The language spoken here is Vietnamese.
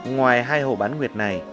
ngoài hai hồ bán nguyệt này